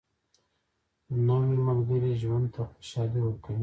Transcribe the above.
نوې ملګرې ژوند ته خوشالي ورکوي